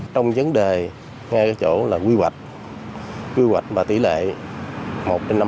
trong vấn đề ngay cái chỗ là quy hoạch quy hoạch và tỷ lệ một trên năm trăm linh